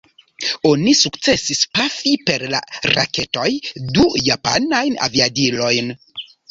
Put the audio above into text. Oni sukcesis pafi per la raketoj du japanajn aviadilojn.